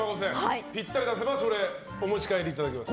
ぴったり出せばお持ち帰りいただけます。